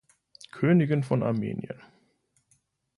Königin von Armenien.